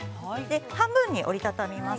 半分に折り畳みます。